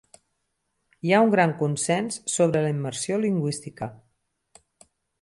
Hi ha un gran consens sobre la immersió lingüística.